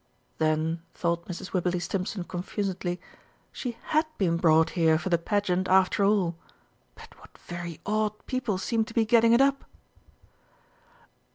Then, thought Mrs. Wibberley Stimpson confusedly, she had been brought here for the Pageant after all. But what very odd people seemed to be getting it up!